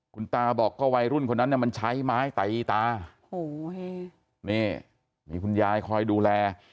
คุณตาบอกก็วัยรุ่นคนนั้นน่ะมันใช้ไม้ตีตาโอ้โหนี่มีคุณยายคอยดูแล